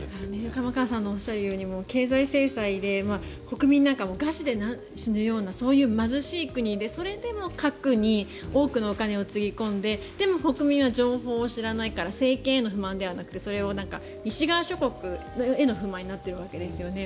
玉川さんのおっしゃるように経済制裁で国民なんかも餓死で死ぬような貧しい国でそれでも核に多くのお金をつぎ込んででも国民は情報を知らないから政権への不満ではなくてそれを西側諸国への不満になっているわけですよね。